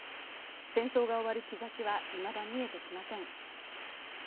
戦争が終わる兆しはいまだ見えてきません。